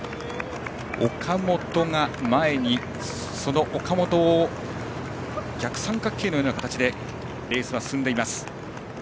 岡本を前に逆三角形のような形でレースは進んでいます。